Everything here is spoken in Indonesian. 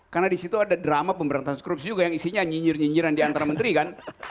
karena di situ ada drama pemberantasan korupsi juga yang isinya nyinyir nyinyiran di antara menteri kan